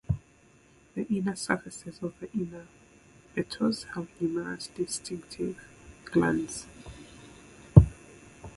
The inner surfaces of the inner petals have numerous distinctive glands.